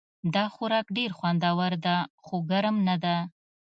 دا خوراک ډېر خوندور ده خو ګرم نه ده